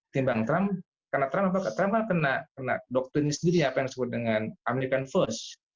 timbang trump karena trump kena doktrinnya sendiri yang disebut dengan american first